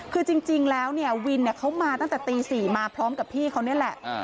คือจริงแล้วเนี่ยวินเขามาตั้งแต่ตี๔มาพร้อมกับพี่เขานี่แหละ